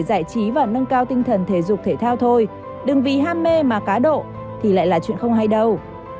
giải trí và nâng cao tinh thần thể dục thể thao thôi đừng vì ham mê mà cá độ thì lại là chuyện không hay đâu